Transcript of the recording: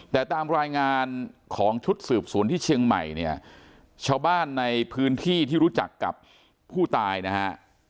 แต่ตามรายงานของชุดสืบสวนที่เชียงใหม่เนี่ยชาวบ้านในพื้นที่ที่รู้จักกับผู้ตายนะฮะ